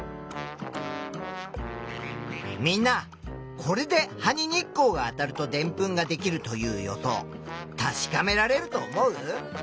みんなこれで葉に日光があたるとでんぷんができるという予想確かめられると思う？